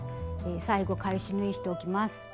最後返し縫いしておきます。